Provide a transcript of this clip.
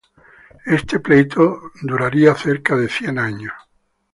Este pleito duraría cerca de cien años.